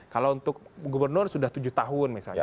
kalau untuk gubernur sudah tujuh tahun misalnya